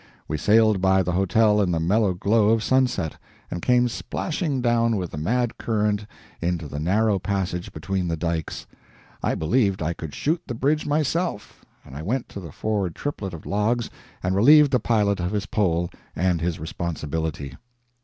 We sailed by the hotel in the mellow glow of sunset, and came slashing down with the mad current into the narrow passage between the dikes. I believed I could shoot the bridge myself, and I went to the forward triplet of logs and relieved the pilot of his pole and his responsibility.